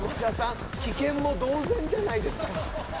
棄権も同然じゃないですか。